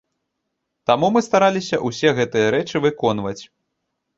Таму мы стараліся ўсе гэтыя рэчы выконваць.